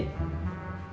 ada apaan sih be